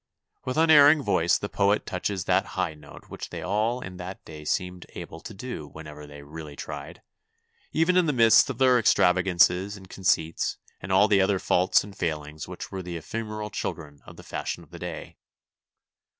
With unerring voice the poet touches that high note which they all in that day seemed able to do whenever they really tried, even in the midst of their extravagances and con ceits and all the other faults and f aihngs which were the ephemeral children of the fashion of the day.